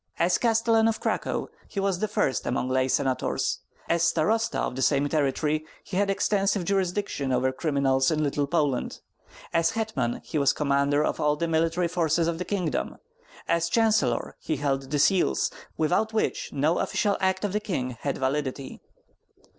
As castellan of Cracow, he was the first among lay senators; as starosta of the same territory, he had extensive jurisdiction over criminals in Little Poland; as hetman, he was commander of all the military forces of the kingdom; as chancellor, he held the seals, without which no official act of the king had validity.